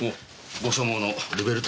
ご所望のルベルタ